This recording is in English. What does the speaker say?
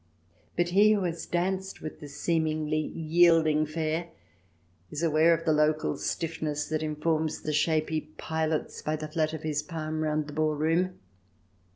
But he who has danced with the seemingly yielding fair is aware of the local stiffness that informs the shape he pilots by the flat of his palm round the ballroom.